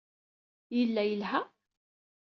Yella yelha.